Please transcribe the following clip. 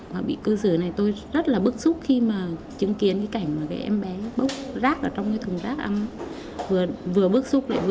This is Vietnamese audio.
và bị cư xử này tôi rất là bức xúc khi mà chứng kiến cái cảnh mà cái em bé bốc